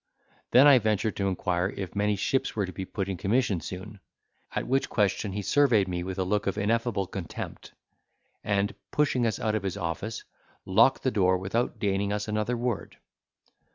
Then I ventured to inquire if many ships were to be put in commission soon. At which question he surveyed me with a look of ineffable contempt; and, pushing us out of his office, locked the door without deigning us another word.